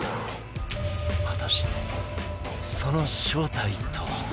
果たしてその正体とは？